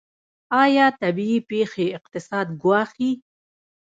آیا طبیعي پیښې اقتصاد ګواښي؟